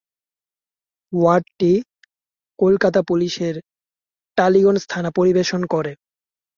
ওয়ার্ডটি কলকাতা পুলিশের টালিগঞ্জ থানা পরিবেশন করে।